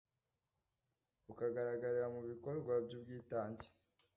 bukagaragarira mu bikorwa by'ubwitange